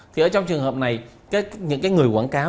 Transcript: thì ở trong trường hợp này những cái người quảng cáo